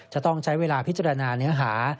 จะต้องใช้เวลาพิจารณาเนื้อหา